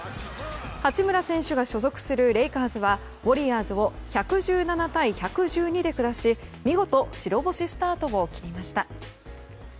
八村選手が所属するレイカーズはウォリアーズを１１７対１１２で下し見事、白星スタートを切りました。